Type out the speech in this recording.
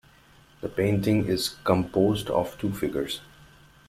The painting is composed of two figures.